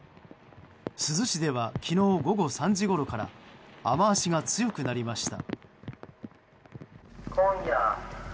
珠洲市では昨日午後３時ごろから雨脚が強くなりました。